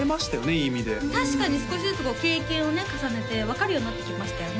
いい意味で確かに少しずつこう経験をね重ねて分かるようになってきましたよね